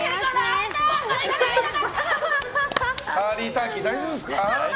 ターリーターキー大丈夫ですか？